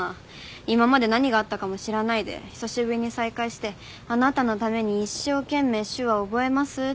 今まで何があったかも知らないで久しぶりに再会してあなたのために一生懸命手話覚えますって。